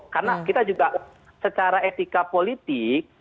karena kita juga secara etika politik